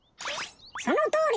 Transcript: そのとおり！